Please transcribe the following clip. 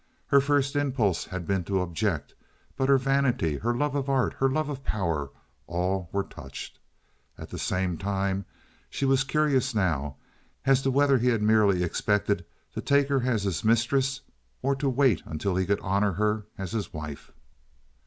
Her first impulse had been to object, but her vanity, her love of art, her love of power—all were touched. At the same time she was curious now as to whether he had merely expected to take her as his mistress or to wait until he could honor her as his wife.